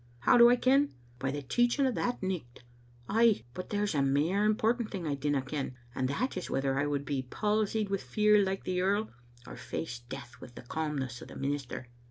How do I ken? By the teaching o' that nicht. Ay, but there's a mair important thing I dinna ken, and that is whether I would be palsied wi' fear like the earl, or face death with the calmness o' the min ister."